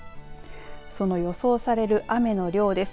その予想される雨の量です。